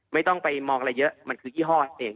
ไม่ต้องไปมองอะไรเยอะมันคือยี่ห้อนั่นเอง